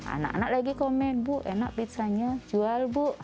anak anak lagi komen bu enak pizzanya jual bu